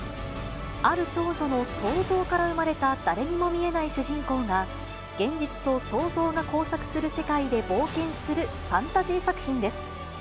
ある少女の想像から生まれた誰にも見えない主人公が、現実と想像が交錯する世界で冒険するファンタジー作品です。